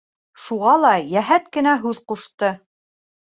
Шуға ла йәһәт кенә һүҙ ҡушты.